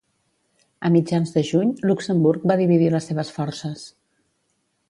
A mitjans de juny, Luxemburg va dividir les seves forces.